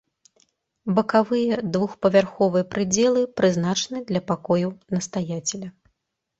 Бакавыя двухпавярховыя прыдзелы прызначаны для пакояў настаяцеля.